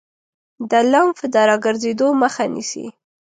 د لمف د راګرځیدو مخه نیسي.